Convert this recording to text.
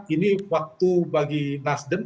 ini waktu bagi nasdem